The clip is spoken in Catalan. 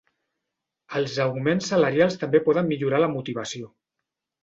Els augments salarials també poden millorar la motivació.